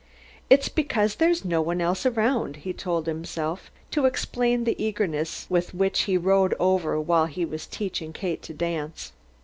"It's because there's no one else around," he told himself, to explain the eagerness with which he rode over while he was teaching Kate to dance.